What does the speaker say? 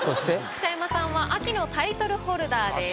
北山さんは秋のタイトルホルダーです。